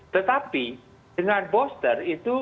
tetapi dengan booster itu